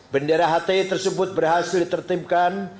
bendera hti tersebut berhasil ditertipkan